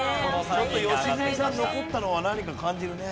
ちょっと良純さん残ったのは何か感じるね。